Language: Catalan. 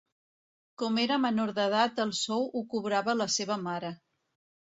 Com era menor d'edat el sou ho cobrava la seva mare.